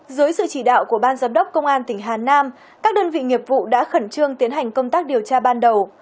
dưới sự chỉ đạo của ban giám đốc công an tỉnh hà nam các đơn vị nghiệp vụ đã khẩn trương tiến hành công tác điều tra ban đầu